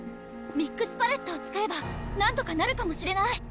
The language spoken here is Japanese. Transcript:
ミックスパレットを使えばなんとかなるかもしれない！